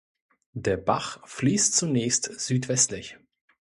Der Bach fließt zunächst südwestlich.